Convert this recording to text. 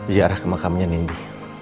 di arah kemakamnya nindi